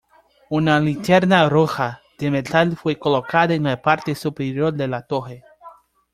Una linterna roja de metal fue colocada en la parte superior de la torre.